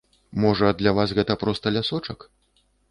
Можа, для вас гэта проста лясочак?